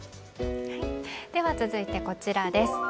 続いて、こちらです。